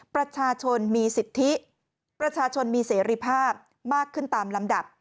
ประชาชนมีสิทธิประชาชนมีเสรีภาพมากขึ้นตามลำดับ